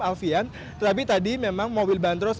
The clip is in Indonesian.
alvian tetapi tadi memang mobil bantros